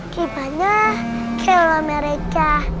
ribanya kalau mereka